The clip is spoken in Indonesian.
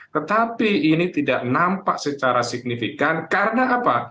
tetapi ini tidak nampak secara signifikan karena apa